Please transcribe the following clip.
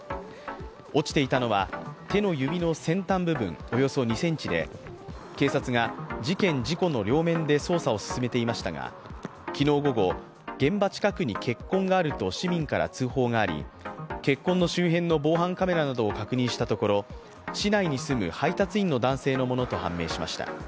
落ちていたのは手の指の先端部分およそ２ｃｍで警察が事件・事故の両面で捜査を進めていましたが昨日午後、現場近くに血痕があると市民から通報があり血痕の周辺の防犯カメラなどを確認したところ、市内に住む配達員の男性のものと判明しました。